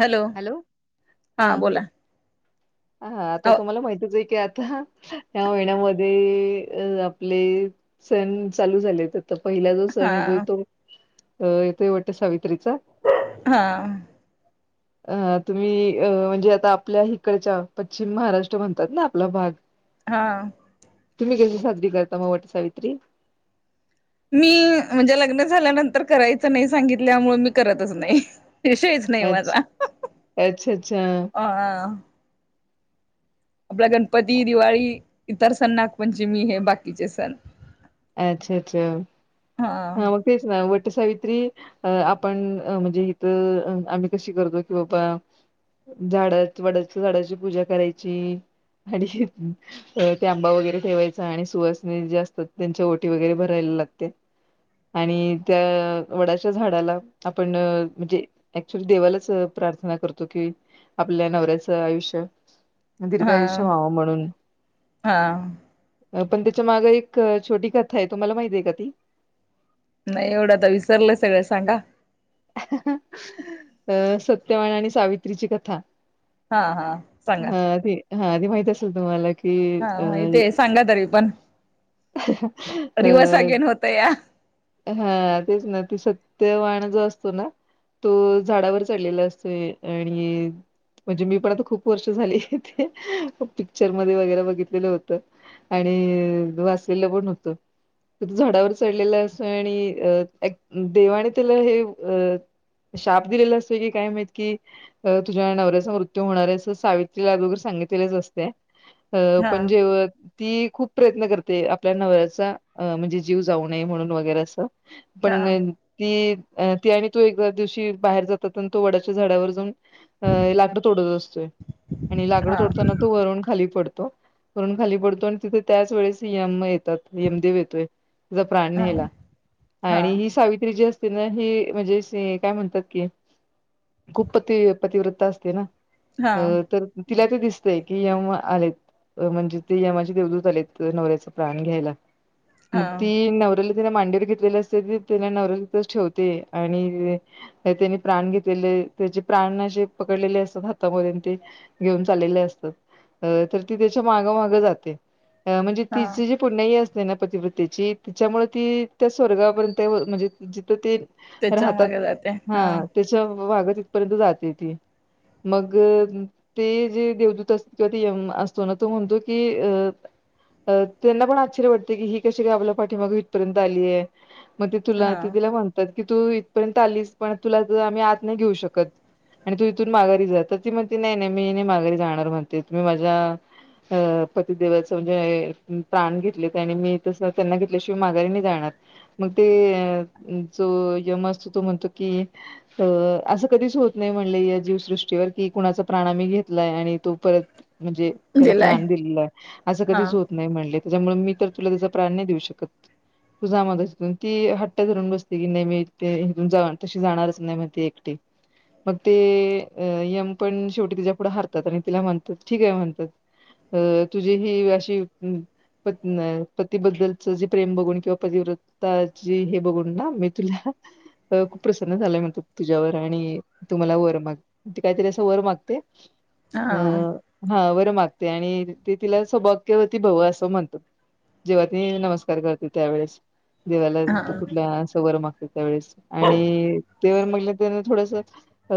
Hello हा बोला. हा आता अ तुम्हाला माहितच आहे की आता ह्या महिन्यामध्ये आपले सण चालू झालेत आता. पहिला जो सण हा सण येतोय तो येतोय वाटत सावित्रीचा. हां अ तुम्ही अ म्हणजे आता आपल्या हिकडच्या पश्चिम महाराष्ट्र म्हणतात ना आपला भाग. हां तुम्ही कशी साजरी करता म वाट सावित्री? मी म्हणजे लग्न झाल्यानंतर करायचं नाही सांगितल्यामुळे मी करतच नाही विषयच नाही अच्छ माझा अच्छा अच्छा आ. आपल्या गणपती दिवाळी इतर सण नागपंचमी हे बाकीचे सण अच्छा अच्छा हा मग तेच ना वट्ट सावित्री अ आपण म्हणजे इथं अ आम्ही कशी करतो कि बाबा झाड वडाच्या झाडाची पूजा करायची आणि शे अ ते आंबा वगैरे ठेवायचा आणि सुहसनी जे असतात त्यांच्या ओटी वगैरे भरायला लागते. आणि त्या वडाच्या झाडाला आपण म्हणजे ऍक्च्युली देवालाच प्रार्थना करतो कि आपल्या नवऱ्याचं आयुष्य दिर्घा हा आयुष्य व्हाव म्हणून. हा पण त्याच्या मागे एक छोटी कथा आहे तुम्हाला माहिती आहे का ती? नाही एवढा तर विसरलंय सगळ्या सांगा. अ सत्यवान आणि सावित्रीची कथा. हा हा सांगा हा ती हा ती माहित असेल तुम्हाला कि हा अ माहिती आहे सांगा तरी पण अ तया हा तेच ना ते सत्यवाण जो असतो ना तो झाडावर चढलेला असतोय आणि म्हणजे मी पण आता खूप वर्ष झाले ते पिक्चर मध्ये वगैरे बघितलेलं होतं. आणि वासेला पण होतं तिथं झाडावर चढलेलं अस तोय आणि अ ऍक देवाने त्याला हे अ शाप दिलेला असतोय की काय माहित की तुझ्या नवऱ्याचा मृत्यू होणार आहे असं सावित्रीला अगोदर सांगितलेच असते अ हा पण जेव ती खूप प्रयत्न करते आपल्या नवऱ्याचा अ म्हणजे जीव जाऊ नये म्हणून नु वगैरे असं हा पण ती अ ती आणि तो एकदा दिवशी बाहेर जातात आन तो वडाच्या झाडावर जाऊन अ लाकडं तोडत असतोय आणि लाकडं हा हा तोडताना तो वरून खाली पडतो. वरून खाली पडतो आणि तिथे त्याच वेळेस यम येतात यमदेव येतोय तिचा प्राण न्यायला हा आणि ही सावित्री जी असते ना ही म्हणजे से काय म्हणतात की खूप पती पतिव्रता असते ना हा अ तर तिला ते दिसतय की यम आलेत म्हणजे ते यमाचे देवदूत आलेत नवऱ्याचा प्राण घ्यायला मग हा ती नव तिने मांडीवर घेतलेले असते ती तिज्या नवऱ्याला तिथच ठेवते आणि तर त्यानी प्राण घेतलेले त्याचे प्राण अशे पकडलेले असतात हातामध्ये आणि ते घेऊन चाललले असतात अ तर ती त्याच्या मागं मागं जाते अ म्हणजे हा तिचे जे पुण्याई असते ना पतिव्रवतेेची तिच्यामुळे ती त्या स्वर्गापर्यंत म म्हणजे जिथं ते त्याच्या राहतात मागे जाते हा त्याच्या मगं तीथपर्यंत जाते ती मग ते जे देवदूत असत्या किंवा ते यम असतो ना तो म्हणतो की अ त्यांना पण आश्चर्य वाटतं की ही गं कशी काय आपल्या पाठीमागं इथ पर्यंत आलिये मग ते तुला हा ते तिला म्हण तात की तू इथपर्यंत आलीस पण तुला तर आम्ही आत नाही घेऊ शकत आणि तू इथून माघारी जा तर ती म्हणती नाही नाही मी माघारी जाणार म्हणते तुम्ही माझ्या अ पतिदेवाचा म्हणजे प्राण घेतलेत आणि मी तसं त्यांना घेतल्या शि मी माघारी नाही जाणार. मग ते जो यम असतो तो म्हणतो की तर अस कधीच होत नाही म्हणले, या जीवसृष्टीवर की कुणाचा प्राण आम्ही घेतलाय आणि तो परत म्हणजे त्याला दिलाय प्राण दिला आहे अस हा कधीच होत नाही म्हणले त्याच्यामुळे मी तर तुला त्याचा प्राण नाही देऊ शकत. तु जा मग इथून ती हट्ट धरून बसते की नाही मी इथून तशी जाणारच नाही म्हणते एकटी मग ते यम पण शेवटी तिच्या पुुढ हारतात आणि तिला म्हणतात ठीक आहे म्हणतात. अ तुझी ही अशी प पतीबद्दलच जे प्रेम बघून किंवा पतिव्रताची हे बघून ना मी तुला खूप प्रसन्न झालोय म्हणतात तुझ्यावर आणि तु मला वर माग. ती काहीतरी अस वर मागते हा अ हा वर मागते आणि ते तिला सौभाग्यवती भव अस म्हणतात. जेव्हा ती नमस्कार स्कार करते त्यावेेळेस देवाला हा तू कुठला असा वर मागते त्यावेळेस आणि तेव्हा म्हणले त्यांना थोडस अ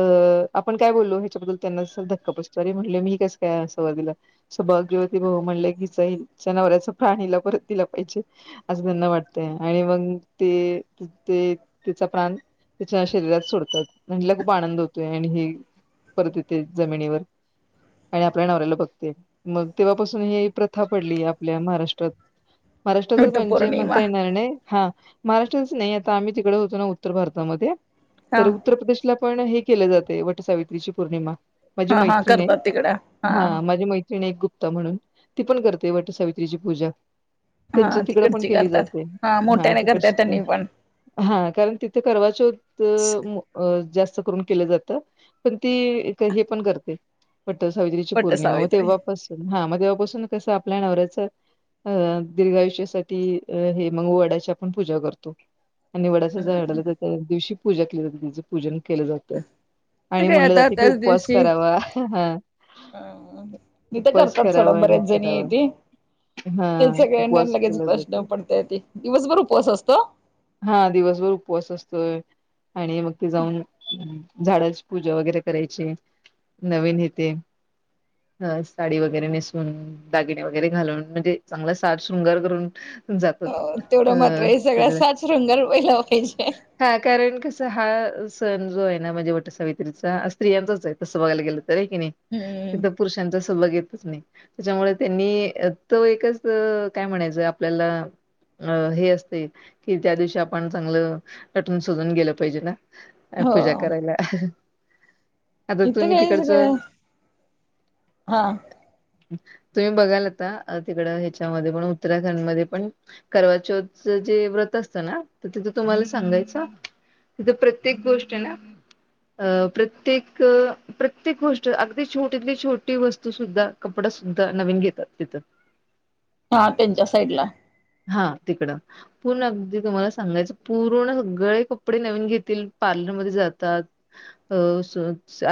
आपण काय बोललो ह्याच्याबद्दल त्यांना धक्का बसतो अरे म्हणले मी कस काय असा वर दिला. सौभाग्यवती भव म्हणले कि हिच्या हिच्या नवऱ्याचा प्राण हिला परत दिला पाहिजे. अस त्यांना वाटतय आणि मग ते ते तिचा प्राण त्याच्या शरीरात सोडतात मग हीला खूप आनंद होतोय आणि हे परत येतोय जमिनीवर. आणि आपल्या नवऱ्याला बघते मग तेव्हापासून ही प्रथा पडली आपल्या महाराष्ट्रात. महाराष्ट्रातच वट म्हणजे पौर्णिमा म्हणता येणार नाही. हा महाराष्ट्रातच नाही आता आम्ही तिकड होतो ना उत्तर भारतामध्ये हा तर उत्तर प्रदेश पण हे केल जातय वट सावित्रीची पौर्णिमा. माझी हा हा मैत्रिणी आहे करतात तिकडं हा माझी मैत्रिणी आहे एक गुप म्हणून ती पण करते वट सावित्रीची पूजा. हा त्यांच्या तिकड पण तिकडची केली करतात जाते हा मोठ्याने करतात त्यांनी [unintelligible] पण हां कारण तिथे करवा चौत अ जास्त करून केल जात पण ती हे पण करते. वट सावित्रीची वट पौर्णिमा, मग सावित्री तेव्हापासून हा मग तेव्हापासून कस आपल्या नवऱ्याच अ दीर्घायुष्यासाठी साठी हे मग वडाची आपण पूजा करतो. आणि वडाच्या हम्म झाडाला तर त्या दिवशी पूजा केली जात त्याच पूजन केल जात. ते आणि काय म्हणल आता जात की त्याच उपवास करावा हां हां हां इथ करतात सोडा बऱ्याच जणी येते. हां [unintelligible] लगेच कष्ट पडत्याती दिवसभर उपवास असतो? हा दिवसभर उपवास असतोय, आणि मग ते जाऊन झाडाची पूजा वगैरे करायची नवीन हे ते. साडी वगैरे नेसून, दागिने वगैरे घालून, म्हणजे चांगलाच साज शृंगार करून जातात तेवढ अ मात्रय सगळा साज शृंगार पहिला पाहिजे. हा कारण कस हा सण जो आहे ना म्हणजे वट सावित्रीचा स्त्रियांचाच आहे तस बघायला गेल तर आहे की नाही. हम्म तिथ पुरुषांचा सहभाग येतच नाही, त्याच्यामुळ त्यांनी तो एकच [unintelligible] काय म्हणायच आपल्याला. अ हे असतय कि त्या दिवशी आपण चांगल नटून सजून गेल पाहिजे ना? अ पूजा हो करायला. आता इथं तुम्ही काय सगळे तिकडचं हा तुम्ही बघाल आता ते तिकडं ह्याच्यामध्ये पण उत्तराखंड मध्ये पण करवचौथ जे व्रत असतं ना तर तिथं तुम्हाला सांगायचं तिथं प्रत्येक गोष्ट ना अ प्रत्येक प्रत्येक गोष्ट अगदी छोटीतली छोटी वस्तू सुद्धा कपडं सुद्धा नवीन घेतात तिथं. हा त्यांच्या साईड ला. हा तिकडं. पूर्ण अगदी तुम्हाला सांगायचं पूर्ण सगळे कपडे नवीन घेतील पार्लरमध्ये जातात अ सो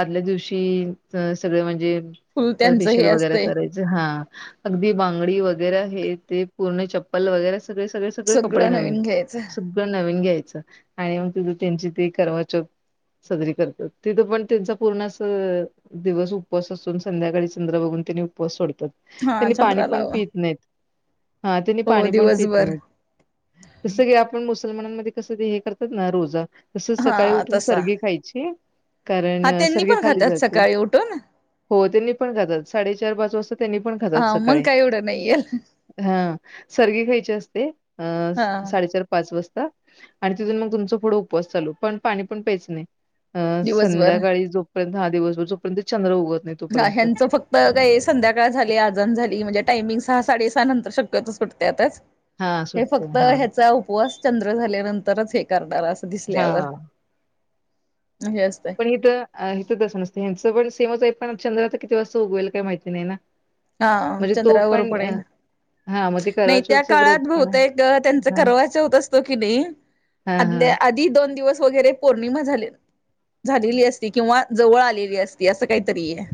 आदल्या दिवशी अ स सगळं म्हणजे फुल त्यांचं फेशियल हे वगैरे असतंय कराय जे हा अगदी बांगडी वगैरे हे ते पूर्ण चप्पल वगैरे सगळे सगळे सगळे कपडे सगळं नवीन घ्यायचं सगळं नवीन घ्यायचं आणि मग तिजं त्यांची ते कारवाचौथ साजरी करतात तिथं पण त्यांचा पूर्ण असं दिवस उपवास असून संध्याकाळी चंद्र बघून त्यानी उपवास सोडतात. हा त्यांनी पाणी पण चंद्रलाव पित नाहीत हा त्यांनी पाणी पण पित दिवसभर नाहीत. जसं की आपण मुसलमानांमध्ये कसं हे करतात ना रोजा तसच हा सकाळी उठून तसा सर्गी खायची कारण हा त्यांनी सर्गी पण खाली खातात जाते. सकाळी उठून हो त्यांनी पण खातात साडेचार पाच वाजता त्यांनी पण खातात हा मग सकाळी. काय एवढं नाही येल. हा सर्गी खायची असते अ हा साडेचार पाच वाजता आणि तिथून मग तुमचा पुढं उपवास चालू पण पाणी पण प्यायच नाही. अ दिवसभर संध्याकाळी जोपर्यंत दहा दिवसर जोपर्यंत चंद्र उगत नाही हा तोपर्यंत. ह्यांचं फक् बघाय संध्याकाळ झाली आजन झाली म्हणजे टायमिंग सहा साडे सहा नंतर शक्यतच पटते त्यातच हा हे सुटते फक्त हा. ह्याचा उपवास चंद्र झाल्यानंतरच हे करणार असं दिसल्यावर हा. हे असतय. हे तर अ हे तसं नसते ह्यांचा पण सेमच आहे पण चंद्रा तर किती वाजता उगवेल काही माहिती नाही ना. हा म्हणजे तो चंद्रावर पण अ आहे हा म ते नाही त्या करवाचौथच व्रत काळात पण बहुतेक आहे त्यांचं हा हा. म्हणले आदी दोन दिवस वगैरे पौर्णिमा झाले. झालेली असती किंवा जवळ आलेली असती असं काहीतरी ये.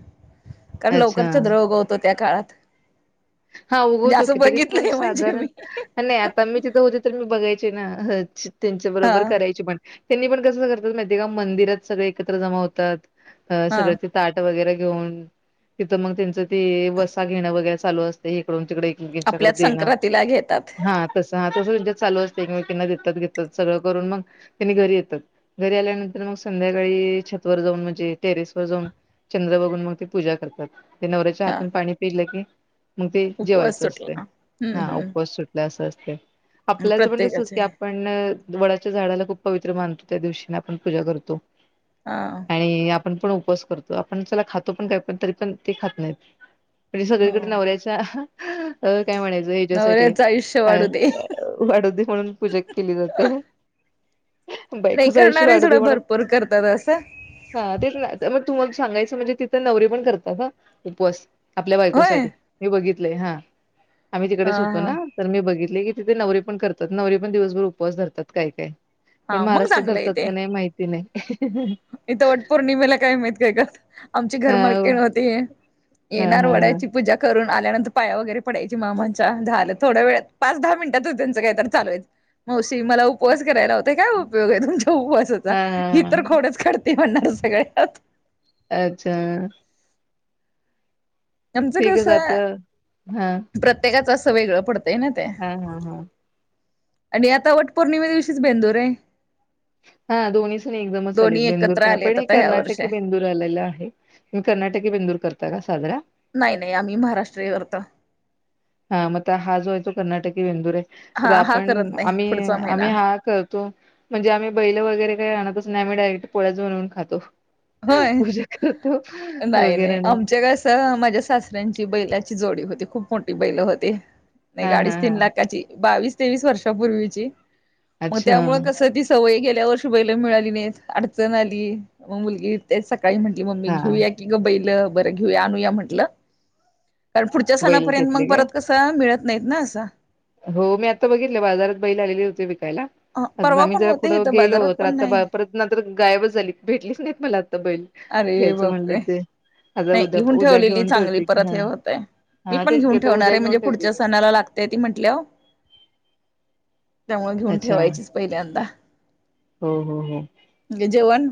कारण लवकर अच्छा. चंद्र उगवतो त्या काळात. हा म्हणजे उगवतो की असं तरी पण बघितलंय म्हणजे साधारण मी हा नाही आता मी तिथं होते तर मी बघायचे ना त्यांच्या हा अच बरोबर करायची पण. त्यांनी पण कसं करतात माहिती आहे का मंदिरात सगळं एकत्र जमा होतात हा सगळं ताट वगैरे घेऊन तिथं मंग त्यांच ते वसा घेणं वगैरे चालू अस इकडून तिकडं एकीएकीच्याकडे आपल्याच देणे संक्रांतीला घेतात हा तस हा तसं त्यांच्यात चालू असतेय एकमेकींना देतात घेतात सगळं करून मग त्यांनी घरी येतात. घरी आल्यानंतर मग संध्याकाळी छत वर जाऊन म्हणजे टेरेस वर जाऊन चंद्र बघून मग ते पूजा करतात ते नवऱ्याच्या हा हातून पाणी पिलं की मग ते उपवास जेवायचं असतंय सुटला हम्म हा हम्म उपवास सुटला असं असतंय आपल्याच पण तसच प्रत्येकाचे की आ पण वडाच्या झाडाला खूप पवित्र मानतो त्या दिवशीने आपण पूजा करतो. हा. आणि आपण पण उपवास करतो आपण चला खातो पण काय पण तरी पण ते खात नाहीत. म्हणजे सगळीकडे हा नवऱ्याच्या अ काय म्हणायच हेच्यासाठी नवऱ्याचं आयुष्य वाढू दे वाढू दे म्हणून पूजा केली जाते. नाही बायकोच आयुष्य करणारे वाढू दे जण म्हणून भरपूर करतात अस हा तेच ना मग तुम्हाला सांगायच म्हणजे तिथ नवरे पण करतात हा उपवास आपल्या होय बायकोसाठी मी बघितलय हां आम्ही हा तिकडेच होतो हा ना. तर मी बघितलय की तिथे नवरे पण करातात नवरे पण दिवसभर उपवास धरतात काय काय. पण हा मग महाराष्ट्रात चांगलं धरतात येते का नाही माहिती नाही. इथं वट पौर्णिमेला काही माहित काय करतात आमची घर हा मालकीन होती हा येणार हा वडाची पूजा करून आल्यानंतर पाया वगैरे पडायची मामांच्या झाल थोड्या वेळात पाच दहा मिनिटातच त्यांच काय तर चालू व्हायच. मावशी मला उपवास कराय लावता ते काय उपयोग आहे तुमच्या उवासाचा हा ही हा तर खोडच काढते म्हणणार सगळ्यात. अच्छा आमच कस ठीकच आता हा प्रत्येकाच अस वेगळ पडतय ना ते. हां हां हां आणि आता वट पौर्णिमेच्या दिवशीच बेंदूर आहे. हा दोन्ही सण एकदमच आलेत दोन्ही बेंदूर एकत्र पण. पण आलेत हे आता ह्या वर्षी कर्नाटकी बेंदूर [unintelligible] आहे तुम्ही कर्नाटकी बेंदूर करता का साजरा? नाही नाही आम्ही महाराष्ट्रीय करतो. हा मग हा जो आहे तो कर्नाटकी बेंदुर आहे आता हा हा आपण करत नाही आम्ही पुढचा आम्ही महिना हा कर म्हणजे आम्ही बैल वगैरे काय आणतच नाही आम्ही डायरेक्ट पोळ्याच बनवून खातो. होय पूजा करतो [unintelligible] तर माझ्या सासऱ्यांची बैलाची जोडी होती खूप मोठी बैल होती. नाही हा हा गाडीच तीन हा लाखाची बावीस तेवीस वर्षापूर्वीची मग अच्छा त्यामुळे कस दि सवयी गेल्या वर्षी बैल मिळाली नाहीत अडचण आली मग मुलगी ते सकाळी म्हंटली मम्मी हा घेऊया की ग बैल बर घेऊया आणनुया म्हटल. कारण पुढच्या बैल सणापर्यंत घेतले मग काय परत कस मिळत नाहीत ना अस. हो मी आत्ता बघितले बाजारात बैल आलेली होते विकायला. अ, परवा आम्ही पण जरा पुढ होते इथं गेलो बाजारात तर पण आता नाही परत ना तर गायबच झाली भेटलीच नाहीत मला आत्ता बैल, अरे घ्यायचं म्हणलं बापरे. ते आता नाही उद्या घेऊन उद्या ठेवलेली घेऊन चांगली ठेवते की परत हा हे होतय, मी हा पण तेच की घेऊन आता ठेवणार उद्या आहे घेऊन म्हणजे ठेवते पुढच्या की. सणाला लागत ते ती म्हंटल्यावर त्यामुळ घेऊन अच्छा ठेवायची पहिल्यांदा. हो हो हो जेवण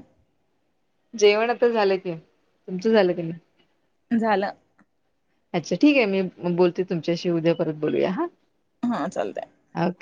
जेवण आता झाल की. तुमच झाल की नाही? झाल. अच्छा ठीक आहे मी बोलते तुमच्याशी उद्या परत बोलूया हा. हां चालतय. ओके